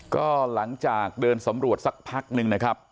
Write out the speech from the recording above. ก็หลังจากเดินสำรวจสักพักนึงนะครับ